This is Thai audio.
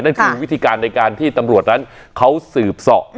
นั่นคือวิธีการในการที่ตำรวจนั้นเขาสืบเสาะ